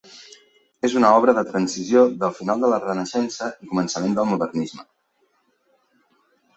És una obra de transició del final de la renaixença i començament del modernisme.